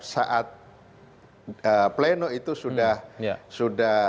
saat pleno itu sudah